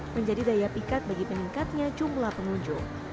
menjadi daya pikat bagi peningkatnya jumlah pengunjung